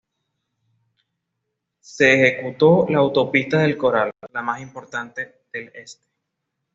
Se ejecutó la Autopista del Coral, la más importante del este.